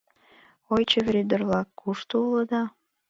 Ой, чевер ӱдыр-влак, кушто улыда?